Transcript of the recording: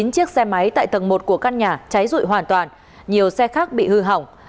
chín chiếc xe máy tại tầng một của căn nhà cháy rụi hoàn toàn nhiều xe khác bị hư hỏng